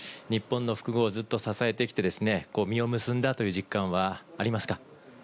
日本の複合をずっと支えてきてですね、実を結んだという実感はありますか？